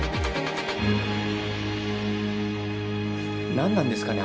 何なんですかね